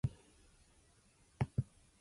Main writers were priests and nuns.